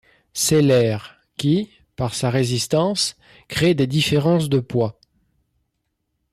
C’est l’air qui, par sa résistance, crée des différences de poids.